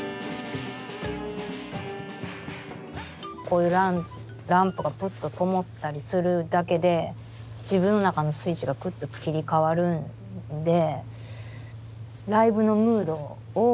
こういうランプがプッとともったりするだけで自分の中のスイッチがクッと切り替わるんで。